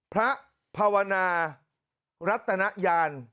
พระภาวนารัตนยาน